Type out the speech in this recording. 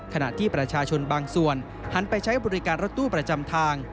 ขณะที่ประชาชนบางส่วนหันไปใช้บริการรถตู้ประจำทาง